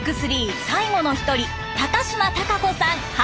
３最後の一人島孝子さん